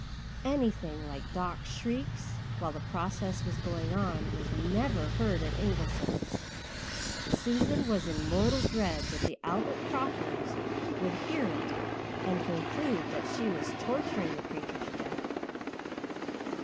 Anything like Doc's shrieks while the process was going on was never heard at Ingleside. Susan was in mortal dread that the Albert Crawfords would hear it and conclude she was torturing the creature to death.